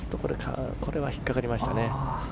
これは引っ掛かりました。